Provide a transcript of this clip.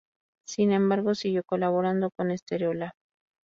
Sin embargo, siguió colaborando con Stereolab.